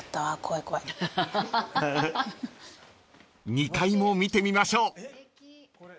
［２階も見てみましょう］